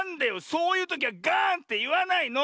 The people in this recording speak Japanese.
⁉そういうときはガーンっていわないの！